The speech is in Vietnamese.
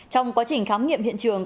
trong quá trình khám nghiệm hiện trường